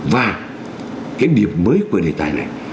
và cái điểm mới của đề tài này